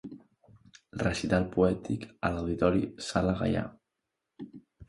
Recital poètic a l'Auditori Sala Gaià.